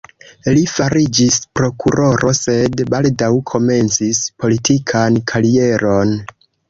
Li fariĝis prokuroro, sed baldaŭ komencis politikan karieron.